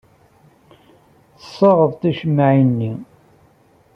Tessaɣeḍ ticemmaɛin-nni.